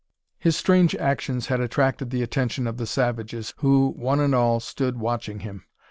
His strange actions had attracted the attention of the savages, who, one and all, stood watching him.